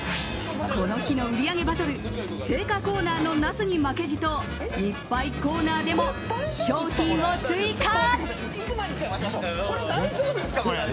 この日の売り上げバトル青果コーナーのナスに負けじと日配コーナーでも商品を追加。